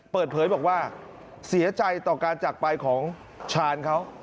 เปิดเผยบอกว่าเสียใจต่อการจักรไปของชาญเขา